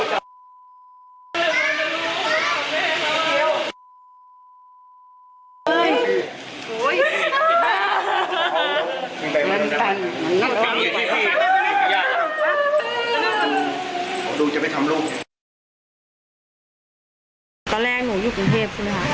สวัสดีครับครับ